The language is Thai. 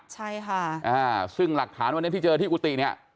ใช่ค่ะซึ่งหลักฐานวันนี้ที่เจอที่กุฏิเนี่ย